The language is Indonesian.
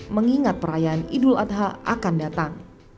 mengingat perayaan idul adha akan datang